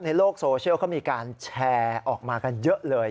ในโลกโซเชียลเขามีการแชร์ออกมากันเยอะเลย